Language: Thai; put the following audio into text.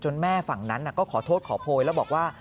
แม่ฝั่งนั้นก็ขอโทษขอโพยแล้วบอกว่า